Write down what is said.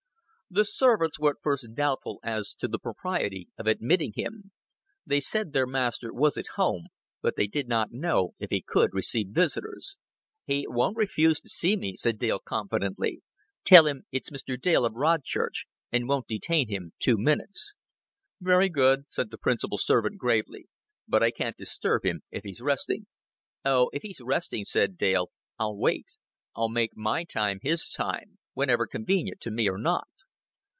The servants were at first doubtful as to the propriety of admitting him. They said their master was at home, but they did not know if he could receive visitors. "He won't refuse to see me," said Dale confidently. "Tell him it's Mr. Dale of Rodchurch, and won't detain him two minutes." "Very good," said the principal servant gravely. "But I can't disturb him if he's resting." "Oh, if he's resting," said Dale, "I'll wait. I'll make my time his time whether convenient to me or not."